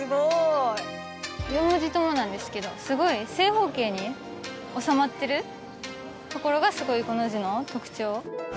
４文字ともなんですけどすごい正方形に収まってるところがすごいこの字の特徴。